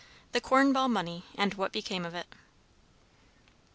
THE CORN BALL MONEY, AND WHAT BECAME OF IT.